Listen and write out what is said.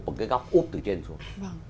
là chụp một cái góc úp từ trên xuống